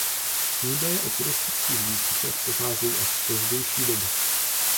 Údaje o turistických výstupech pocházejí až z pozdější doby.